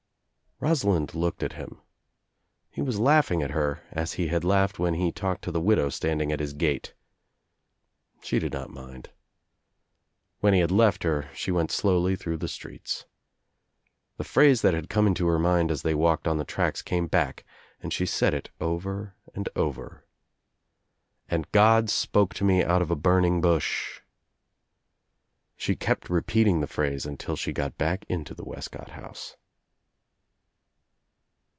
Rosalind looked at him. He was laugh ing at her as he had laughed when he talked to the widow standing at his gate. She did not mind. When he had left her she went slowly through the streets. The phrase that had come into her mind as they walked on the tracks came back and she said it over and over. "And God spoke to me out of a burning bush," She kept repeating the phrase until she got back into the Wescott house.